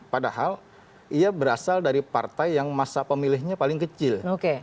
padahal ia berasal dari partai yang masa pemilihnya paling kecil